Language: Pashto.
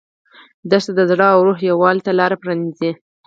دښته د زړه او روح یووالي ته لاره پرانیزي.